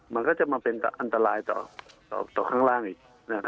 มันก็จะมาเป็นอันตรายต่อข้างล่างอีก